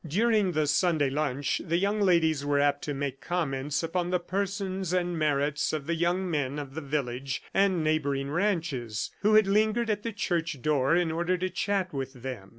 During the Sunday lunch the young ladies were apt to make comments upon the persons and merits of the young men of the village and neighboring ranches, who had lingered at the church door in order to chat with them.